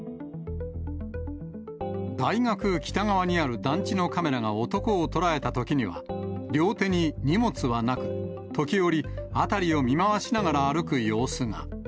大学北側にある団地のカメラが男を捉えたときには、両手に荷物はなく、時折、辺りを見回しながら歩く様子が。